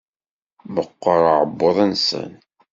Meqqer uɛebbuḍ-nsen.